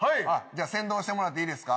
先導してもらっていいですか。